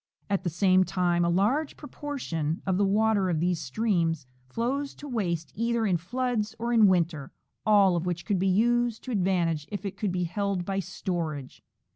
At the same time a large proportion of the water of these streams flows to waste either in floods or in winter, all of which could be used to advantage if it could be held by storage.'!